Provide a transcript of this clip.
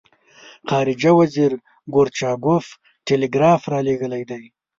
خارجه وزیر ګورچاکوف ټلګراف را لېږلی دی.